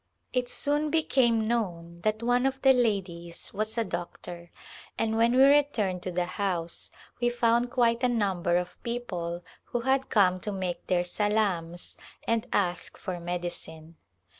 It soon became known that one of the ladies was a doctor and when we returned to the house we found quite a number of people who had come to make their salams and ask for medicine.